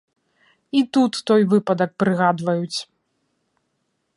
І тут той выпадак прыгадваюць.